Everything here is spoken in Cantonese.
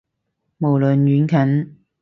無論遠近